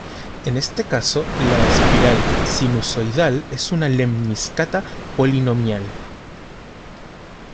En este caso, la espiral sinusoidal es una lemniscata polinomial.